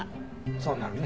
そうなるね。